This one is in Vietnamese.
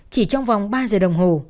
chỉ trong vòng ba giờ đồng hồ